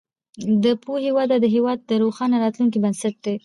د پوهنې وده د هیواد د روښانه راتلونکي بنسټ دی.